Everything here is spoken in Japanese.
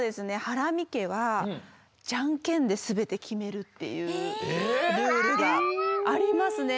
ハラミけはジャンケンですべてきめるっていうルールがありますね。